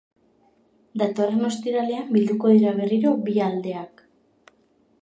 Datorren ostiralean bilduko dira berriro bi aldeak.